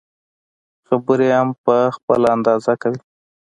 خبرې هم په خپل انداز کوي.